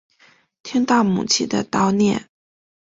听到母亲的叨念